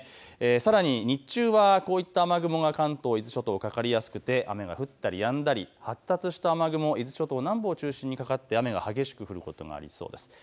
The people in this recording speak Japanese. さらに日中はこういった雨雲が関東と伊豆諸島、かかりやすくて雨が降ったりやんだり発達した雨雲、伊豆諸島南部を中心にかかって雨が激しく降ることもありそうです。